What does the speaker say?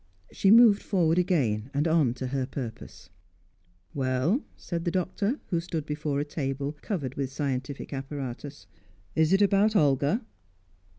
She moved forward again, and on to her purpose. "Well?" said the Doctor, who stood before a table covered with scientific apparatus. "Is it about Olga?"